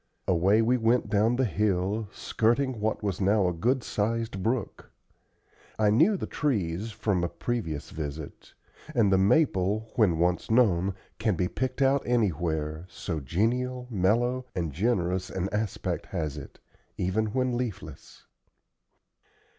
Away we went down the hill, skirting what was now a good sized brook. I knew the trees, from a previous visit; and the maple, when once known, can be picked out anywhere, so genial, mellow, and generous an aspect has it, even when leafless.